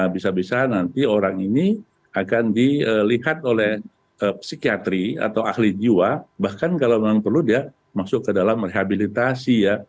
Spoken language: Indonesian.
bisa bisa nanti orang ini akan dilihat oleh psikiatri atau ahli jiwa bahkan kalau memang perlu dia masuk ke dalam rehabilitasi ya